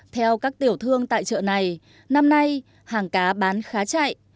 theo các tiểu thương tại chợ này năm nay hàng cá bán khá chạy